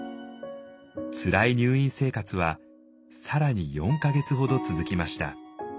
つらい入院生活は更に４か月ほど続きました。